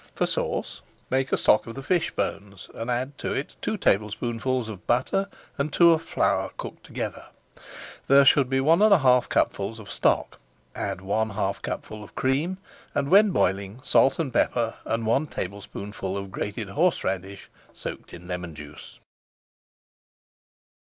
For sauce, make a stock of the fish bones and add to it two tablespoonfuls of butter and two of flour cooked together. There should be one and one half cupfuls of stock. Add one half cupful of cream; and, when boiling, salt, pepper, and one tablespoonful of grated horse radish soaked in lemon juice.